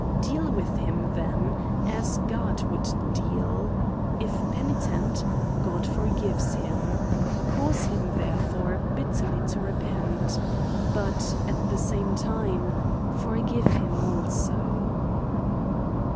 Deal with him, then, as God would deal. If penitent ;— God forgives him. Cause him, therefore, bitterly to repent ; but, at the same time, forgive him also.